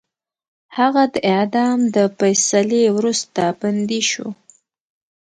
هغه د اعدام د فیصلې وروسته بندي شو.